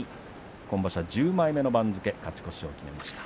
今場所１０枚目の番付勝ち越しを決めました。